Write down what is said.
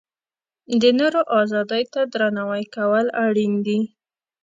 د نورو ازادۍ ته درناوی کول اړین دي.